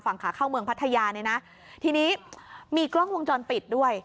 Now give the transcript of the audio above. ฝั่งขาเข้าเมืองพัทยาเนี่ยนะทีนี้มีกล้องวงจรปิดด้วย